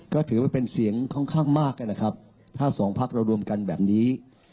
ก็ถือว่าเป็นเสียงค่อนข้างมากนะครับถ้าสองพักเรารวมกันแบบนี้